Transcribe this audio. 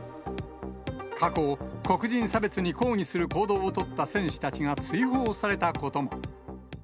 過去、黒人差別に抗議する行動を取った選手たちが追放されたことも。